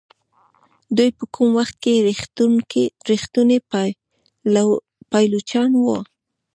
دوی په کوم وخت کې ریښتوني پایلوچان وو.